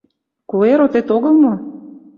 Куэр отет огыл мо?